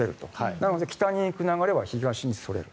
なので北に行く流れは東にそれる。